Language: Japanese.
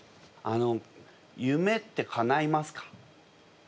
あの夢ってかないますか？